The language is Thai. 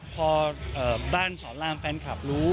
พอบ้านสอนรามแฟนคลับรู้